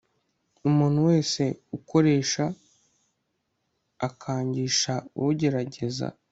umuntu wese ukoresha ukangisha ugerageza